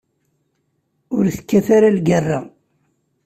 Ur tekkat ara lgerra.